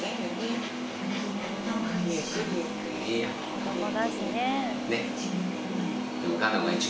子供だしね。